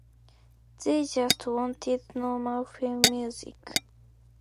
They just wanted normal film music.